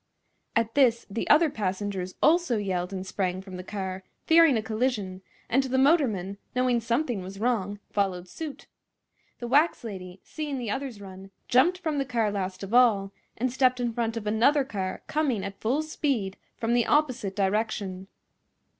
At this the other passengers also yelled and sprang from the car, fearing a collision; and the motorman, knowing something was wrong, followed suit. The wax lady, seeing the others run, jumped from the car last of all, and stepped in front of another car coming at full speed from the opposite direction.